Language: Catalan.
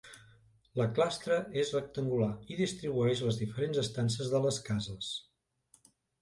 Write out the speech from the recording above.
La clastra és rectangular i distribueix les diferents estances de les cases.